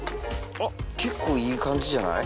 あっ結構いい感じじゃない？